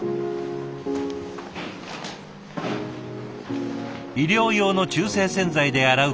医療用の中性洗剤で洗うこと２時間。